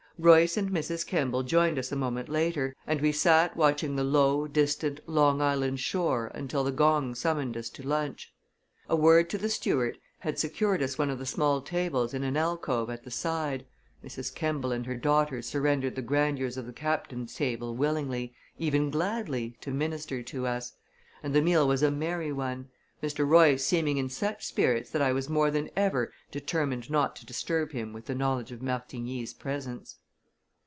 Royce and Mrs. Kemball joined us a moment later, and we sat watching the low, distant Long Island shore until the gong summoned us to lunch. A word to the steward had secured us one of the small tables in an alcove at the side Mrs. Kemball and her daughter surrendered the grandeurs of the captain's table willingly, even gladly, to minister to us and the meal was a merry one, Mr. Royce seeming in such spirits that I was more than ever determined not to disturb him with the knowledge of Martigny's presence.